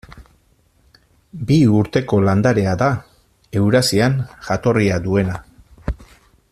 Bi urteko landarea da, Eurasian jatorria duena.